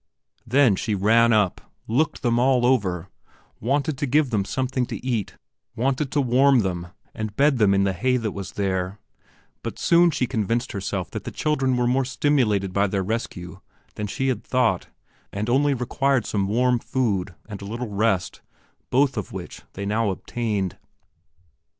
Then she ran up, looked them all over, wanted to give them something to eat, wanted to warm them, and bed them in the hay that was there; but soon she convinced herself that the children were more stimulated by their rescue than she had thought and only required some warm food and a little rest, both of which they now obtained.